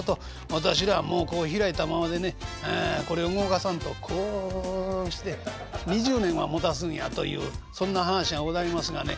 私らはこう開いたままでねこれ動かさんとこうして２０年はもたすんや」というそんな噺がございますがね